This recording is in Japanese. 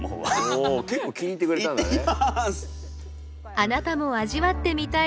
あなたも味わってみたい